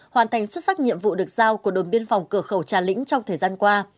hoàn thành xuất sắc nhiệm vụ được giao của đồn biên phòng cửa khẩu trà lĩnh trong thời gian qua